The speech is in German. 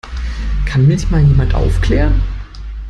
Kann mich mal jemand aufklären?